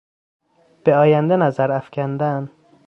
به آینده نظر افکندن